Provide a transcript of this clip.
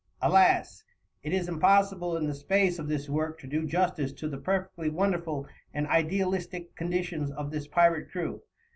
Alas! it is impossible in the space of this work to do justice to the perfectly wonderful and idealistic conditions of this pirate crew.